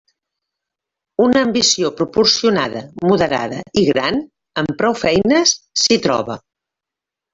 Una ambició proporcionada, moderada i gran, amb prou feines s'hi troba.